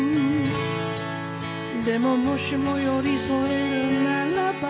「でももしも寄り添えるならば」